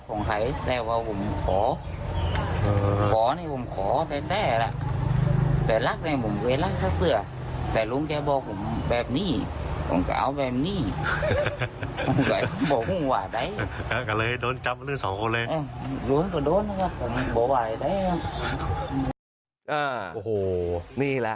โอ้โหนี่แหละ